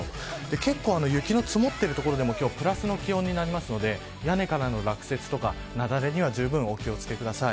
結構、雪の積もっている所でも今日はプラスの気温になるので屋根からの落雪や雪崩にはじゅうぶんお気を付けください。